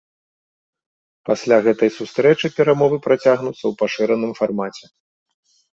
Пасля гэтай сустрэчы перамовы працягнуцца ў пашыраным фармаце.